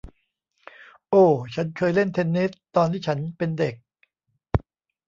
โอ้ ฉันเคยเล่นเทนนิสตอนที่ฉันเป็นเด็ก